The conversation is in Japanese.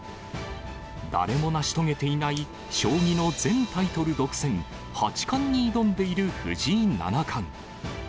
誰も成し遂げていない将棋の全タイトル独占、八冠に挑んでいる藤井七冠。